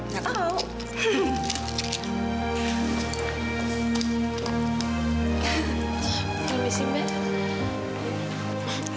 ya coba di sini mbak